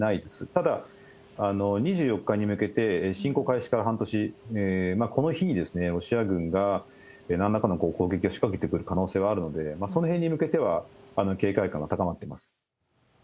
ただ、２４日に向けて、侵攻開始から半年、この日にロシア軍がなんらかの攻撃を仕掛けてくる可能性はあるので、そのへんに向けては警戒感は高まっています。